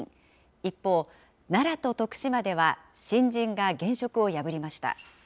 一方、奈良と徳島では、新人が現職を破りました。